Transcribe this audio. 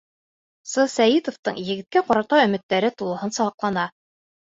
С. Сәйетовтың егеткә ҡарата өмөттәре тулыһынса аҡлана.